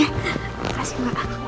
saya belum sempet berjumpa adiknya